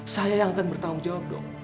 saya yang akan bertanggung jawab dong